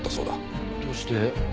どうして？